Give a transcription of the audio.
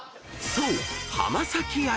［そう］